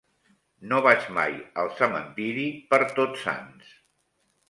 No vaig mai al cementiri per Tots Sants.